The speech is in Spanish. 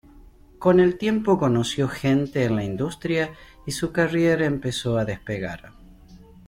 Con el tiempo conoció gente en la industria y su carrer empezó a despegar.